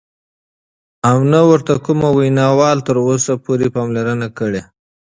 او نه ورته کوم وینا وال تر اوسه پوره پاملرنه کړې،